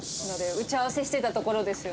打ち合わせしてたところですよ